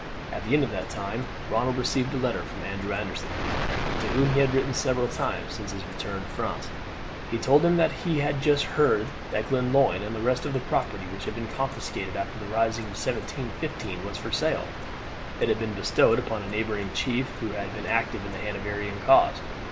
At the end of that time Ronald received a letter from Andrew Anderson, to whom he had written several times since his return to France. He told him that he had just heard that Glenlyon and the rest of the property which had been confiscated after the rising of 1715 was for sale. It had been bestowed upon a neighbouring chief, who had been active in the Hanoverian cause.